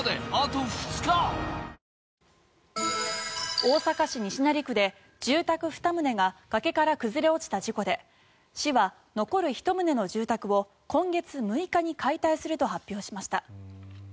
大阪市西成区で住宅２棟が崖から崩れ落ちた事故で市は残る１棟の住宅を今月６日に解体すると発表しました。